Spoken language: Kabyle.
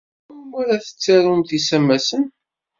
Anwa umi ara tettarumt isamasen?